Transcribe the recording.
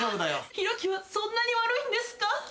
寛貴はそんなに悪いんですか？